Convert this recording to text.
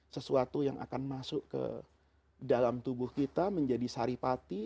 sesuatu yang akan masuk ke dalam tubuh kita menjadi saripati